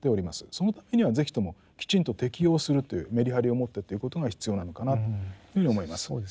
そのためには是非ともきちんと適用するというメリハリを持ってということが必要なのかなというふうに思います。